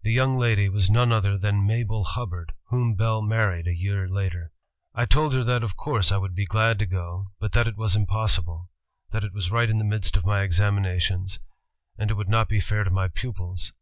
(The young lady was none other than Mabel Hubbard, whom Bell married a year later.) "I told her that, of course, I would be glad to go, but that it was impossible; that it was right in the midst of my examinations, and it would not be fair to my pupils.